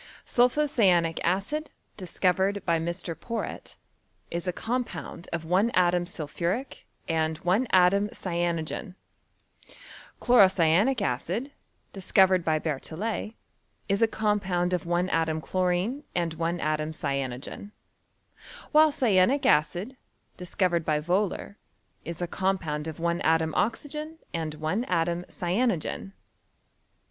Sulpho cyanic acid, discovered by Mr. Porrett, is a compound of one atom sulphuric, and one atom cyanogen ; chloro cyanic acid, discovered by Berthollet, is a compound of one atom chlorine and one atom cyanogen ; while cyanic acid, dis covered by Wohler, is a compound of one atom oxygen and one atom cyanogen.